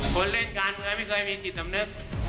คนเล่นการเมืองไม่เคยมีจิตสำนึก